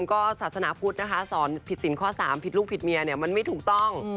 เพราะว่าศาสนาพุทธนะคะสอนผิดศิลป์ข้อ๓ผิดลูกผิดเมียมันไม่ถูกต้อง